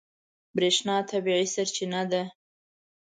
برېښنا طبیعي سرچینه ده.